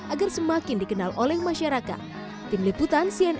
agar semakin dikenal oleh masyarakat